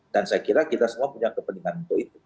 dan saya kira kita semua punya kepentingan untuk itu